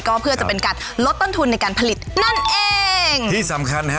ก็เพื่อจะเป็นการลดต้นทุนในการผลิตนั่นเองที่สำคัญฮะ